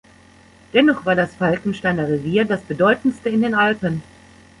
Dennoch war das Falkensteiner Revier das bedeutendste in den Alpen.